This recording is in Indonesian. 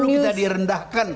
dari dulu kita direndahkan